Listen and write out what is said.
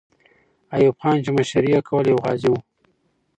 ایوب خان چې مشري یې کوله، یو غازی وو.